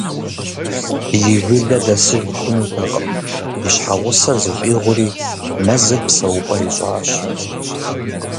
И жылэ дэсыж хъунутэкъыми, и щхьэгъусэр зыщӏигъури, мэзыр псэупӏэ ищӏащ.